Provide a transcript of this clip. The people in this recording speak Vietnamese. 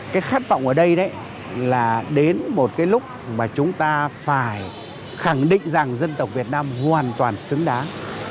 cái khát vọng ở đây đấy là đến một cái lúc mà chúng ta phải khẳng định rằng dân tộc việt nam hoàn toàn xứng đáng